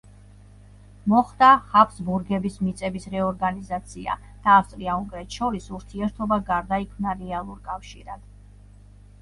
მოხდა ჰაბსბურგების მიწების რეორგანიზაცია და ავსტრია–უნგრეთს შორის ურთიერთობა გარდაიქმნა რეალურ კავშირად.